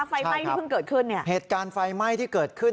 ไฟไหม้ที่เพิ่งเกิดขึ้นเนี่ยเหตุการณ์ไฟไหม้ที่เกิดขึ้น